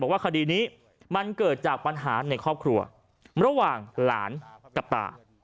ว่าคดีนี้มันเกิดจากปัญหาในครอบครัวระหว่างหลานกับตา